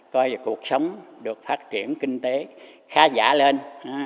coi là cuộc sống được phát triển kinh tế khá giả lên